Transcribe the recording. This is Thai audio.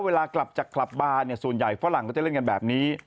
เวลากลับจากกลับบ้านเนี่ยส่วนใหญ่ฝรั่งก็จะเล่นกันแบบนี้